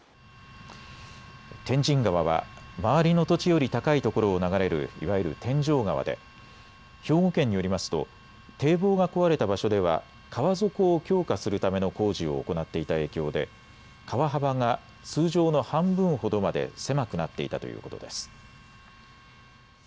天神川は周りの土地より高いところを流れるいわゆる天井川で兵庫県によりますと堤防が壊れた場所では川底を強化するための工事を行っていた影響で川幅が通常の半分ほどまで狭くなっていたということです。